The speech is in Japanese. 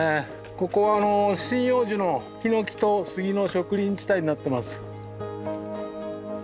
ここはあの針葉樹のヒノキとスギの植林地帯になってます。